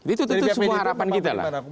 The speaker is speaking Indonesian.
itu tentu semua harapan kita